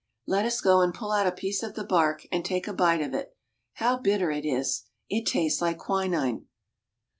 Let us go and pull out a piece of the bark and take a bite of it. How bitter it is ! It tastes like quinine.